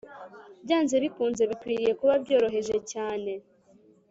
byanze bikunze bikwiriye kuba byoroheje cyane